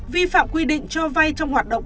vi phạm quy định cho vay trong hoạt động